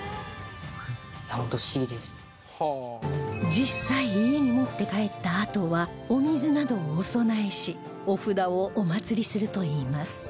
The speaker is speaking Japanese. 実際家に持って帰ったあとはお水などをお供えしお札をお祭りするといいます